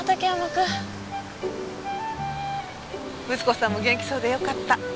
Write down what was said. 睦子さんも元気そうでよかった。